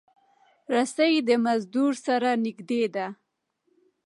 رسۍ د مزدور سره نږدې ده.